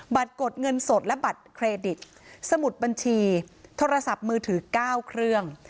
กดเงินสดและบัตรเครดิตสมุดบัญชีโทรศัพท์มือถือ๙เครื่อง